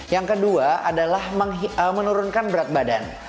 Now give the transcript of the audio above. yang kedua adalah menurunkan berat badan